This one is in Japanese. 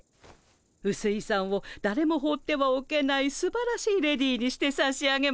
うすいさんをだれも放ってはおけないすばらしいレディーにしてさしあげますわ。